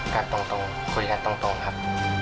กันตรงคุยกันตรงครับ